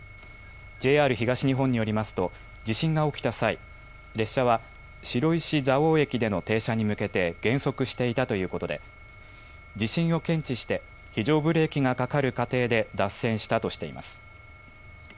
ＪＲ東日本によりますと地震が起きた際、列車は白石蔵王駅での停車に向けて減速していたということで地震を検知して非常ブレーキがかかる過程で脱線したとしています。